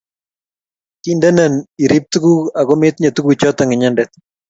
Kindenen irib tuguk ago metinye tuguchoto inyendet